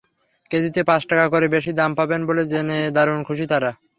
কেজিতে পাঁচ টাকা করে বেশি দাম পাবেন বলে জেনে দারুণ খুশি তাঁরা।